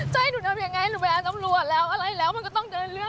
ให้หนูทำยังไงหนูไปหาตำรวจแล้วอะไรแล้วมันก็ต้องเดินเรื่อง